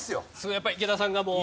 やっぱ池田さんがもう。